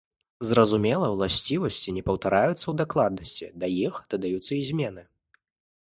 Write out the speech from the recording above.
Зразумела, уласцівасці не паўтараюцца ў дакладнасці, да іх дадаюцца і змены.